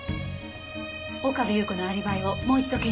岡部祐子のアリバイをもう一度検証してみましょう。